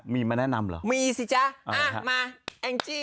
มีมาแนะนำเหรอมาแอ๊งจี้